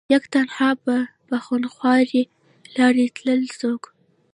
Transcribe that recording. يک تنها به په خونخوارې لارې تلل څوک